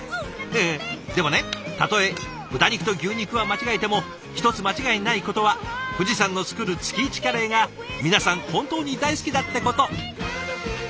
でもねたとえ豚肉と牛肉は間違えても一つ間違いないことは藤さんの作る月イチカレーが皆さん本当に大好きだってこと。